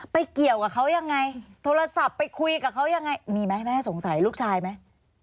ไปเกี่ยวกับเขายังไงโทรศัพท์ไปคุยกับเขายังไงมีไหมแม่สงสัยลูกชายไหม